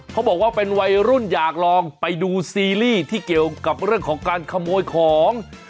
เขาบอกว่าเป็นวัยรุ่นอยากลองไปดูซีรีส์ที่เกี่ยวกับเรื่องของการขโมยของ